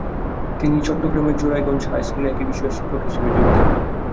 তিনি চট্টগ্রামের জোরারগঞ্জ হাই স্কুলে একই বিষয়ের শিক্ষক হিসেবে যোগ দেন।